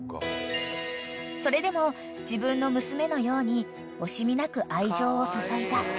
［それでも自分の娘のように惜しみなく愛情を注いだ］